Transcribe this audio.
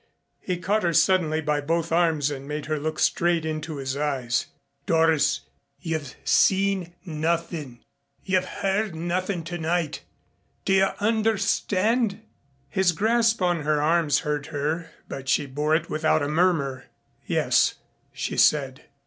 He caught her suddenly by both arms and made her look straight into his eyes. "Doris, you've seen nothing, you've heard nothing tonight. Do you understand?" His grasp on her arms hurt her but she bore it without a murmur. "Yes," she said.